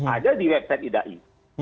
ada di website hidai